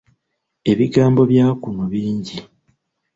Ebigambo bya kuno bingi.